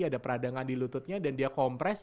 ada peradangan di lututnya dan dia kompres